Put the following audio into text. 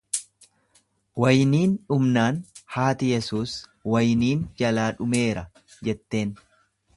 Wayniin dhumnaan haati Yesuus, Wayniin jalaa dhumeera jetteen.